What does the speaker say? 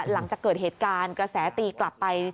หลังจากเกิดเหตุการณ์กระแสตีกลับไป